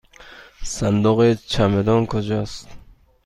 صندوق چمدان کجاست؟